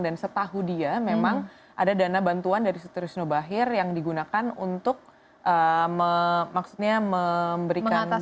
dan setahu dia memang ada dana bantuan dari seterusnya bahir yang digunakan untuk maksudnya memberikan bantuan